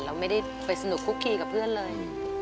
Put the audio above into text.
เราไม่ได้ไปสนุกคุกคีกับเพื่อนเลย